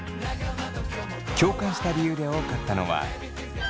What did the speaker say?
共感した理由で多かったのはなど